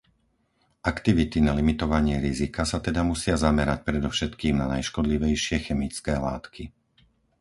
Aktivity na limitovanie rizika sa teda musia zamerať predovšetkým na najškodlivejšie chemické látky.